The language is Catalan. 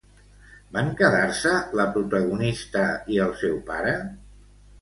Van quedar-se la protagonista i el seu pare?